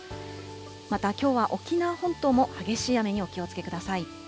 また、きょうは沖縄本島も激しい雨にお気をつけください。